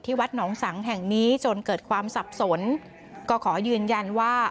วัดหนองสังแห่งนี้จนเกิดความสับสนก็ขอยืนยันว่า